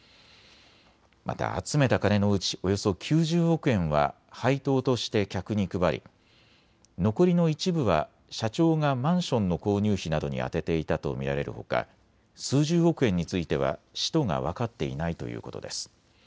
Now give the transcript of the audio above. また集めた金のうちおよそ９０億円は配当として客に配り残りの一部は社長がマンションの購入費などに充てていたと見られるほか、数十億円については使途が分かっていないということです。